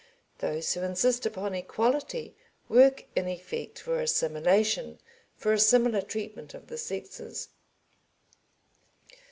Those who insist upon equality work in effect for assimilation, for a similar treatment of the sexes.